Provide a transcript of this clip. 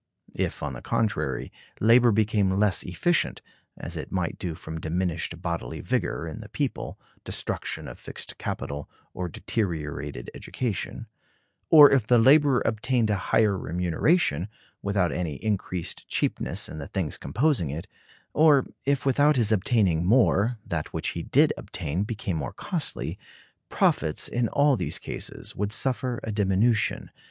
If, on the contrary, labor became less efficient (as it might do from diminished bodily vigor in the people, destruction of fixed capital, or deteriorated education); or if the laborer obtained a higher remuneration, without any increased cheapness in the things composing it; or if, without his obtaining more, that which he did obtain became more costly; profits, in all these cases, would suffer a diminution.